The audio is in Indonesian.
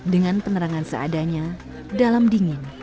dengan penerangan seadanya dalam dingin